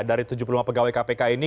dari tujuh puluh lima pegawai kpk ini